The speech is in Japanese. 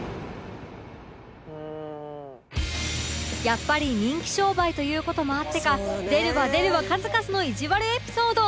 やっぱり人気商売という事もあってか出るわ出るわ数々のいじわるエピソード